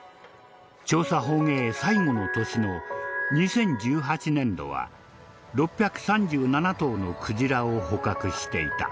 調査捕鯨最後の年の２０１８年度は６３７頭のクジラを捕獲していた。